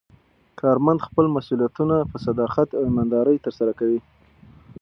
کارمند خپل مسوولیتونه په صداقت او ایماندارۍ ترسره کوي